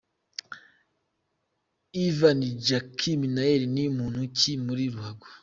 Ivan Jacky Minaert ni muntu ki muri ruhago?.